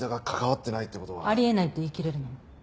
あり得ないって言いきれるの？